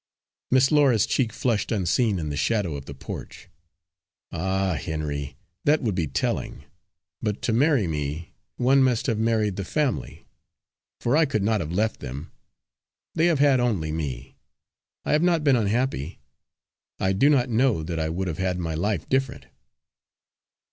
Miss Laura's cheek flushed unseen in the shadow of the porch. "Ah, Henry, that would be telling! But to marry me, one must have married the family, for I could not have left them they have had only me. I have not been unhappy. I do not know that I would have had my life different."